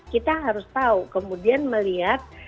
kita harus tahu kemudian melihat